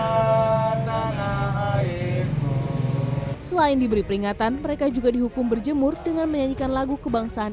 hai selain diberi peringatan mereka juga dihukum berjemur dengan menyanyikan lagu kebangsaan